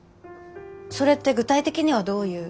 それって具体的にはどういう。